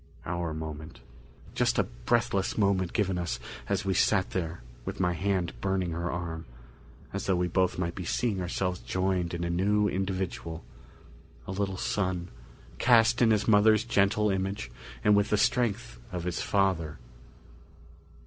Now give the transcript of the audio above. Our moment. Just a breathless moment given us as we sat there with my hand burning her arm, as though we both might be seeing ourselves joined in a new individual a little son, cast in his mother's gentle image and with the strength of his father.